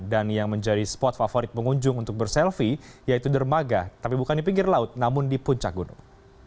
dan yang menjadi spot favorit pengunjung untuk berselfie yaitu dermaga tapi bukan di pinggir laut namun di puncak gunung